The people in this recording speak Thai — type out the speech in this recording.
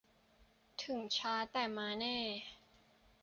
ถึงช้าแต่มาแน่